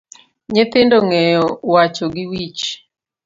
Nyithindo ong’eyo wacho gi wich